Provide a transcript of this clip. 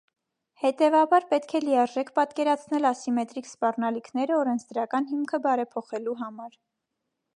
Հետևաբար պետք է լիարժեք պատկերացնել ասիմետրիկ սպառնալիքները օրեսնդրական հիմքը բարեփոխելու համար։